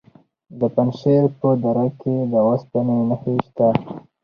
د پنجشیر په دره کې د اوسپنې نښې شته.